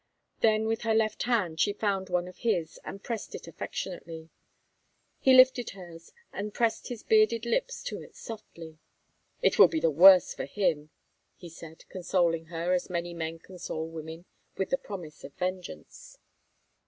Then with her left hand she found one of his, and pressed it affectionately. He lifted hers, and pressed his bearded lips to it softly. "It will be the worse for him," he said, consoling her, as many men console women, with the promise of vengeance.